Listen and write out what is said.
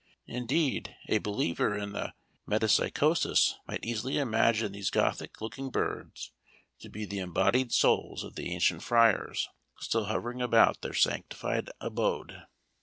Indeed, a believer in the metempsychosis might easily imagine these Gothic looking birds to be the embodied souls of the ancient friars still hovering about their sanctified abode.